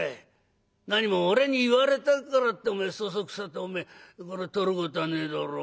「なにも俺に言われたからってそそくさとおめえ取ることはねえだろ。